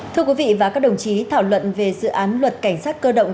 thưa quý vị và các đồng chí thảo luận về dự án luật cảnh sát cơ động